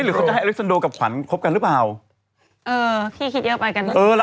หรือเขาจะให้อาริซันโดกับขวัไรกันหรือเปล่า